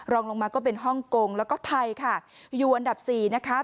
รองลงมาก็เป็นฮ่องกงแล้วก็ไทยค่ะอยู่อันดับสี่นะคะ